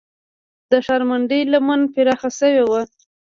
د ښارونډۍ لمن پراخه شوې وه